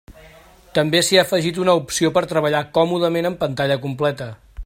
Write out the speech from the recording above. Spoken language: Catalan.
També s'hi ha afegit una opció per treballar còmodament en pantalla completa.